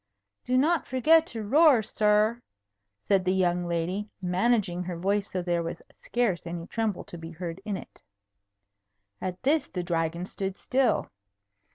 "Do not forget to roar, sir," said the young lady, managing her voice so there was scarce any tremble to be heard in it. At this the Dragon stood still.